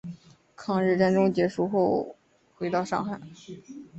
抗日战争结束后回到上海。